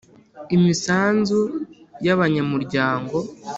Imisanzu y abanya muryango